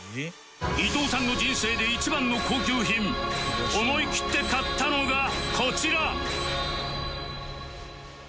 伊藤さんの人生で一番の高級品思い切って買ったのがこちら